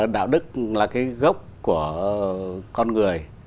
đạo đức là cái gốc của con người